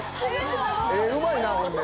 絵うまいなほんで。